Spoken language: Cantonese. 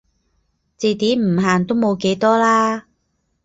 字典唔限都冇幾多啦